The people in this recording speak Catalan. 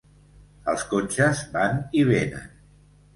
Els cotxes van i vénen.